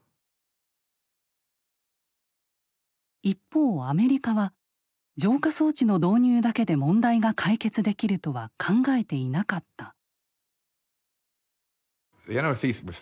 一方アメリカは浄化装置の導入だけで問題が解決できるとは考えていなかった。